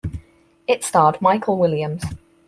It starred Michael Williams.